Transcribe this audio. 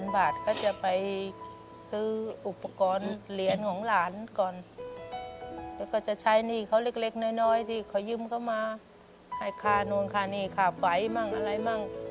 บาทก็จะไปซื้ออุปกรณ์เหรียญของหลานก่อนแล้วก็จะใช้หนี้เขาเล็กน้อยที่เขายืมเขามาให้ค่านู้นค่านี่ค่าไฟมั่งอะไรมั่ง